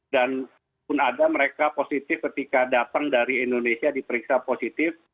dan pun ada mereka positif ketika datang dari indonesia diperiksa positif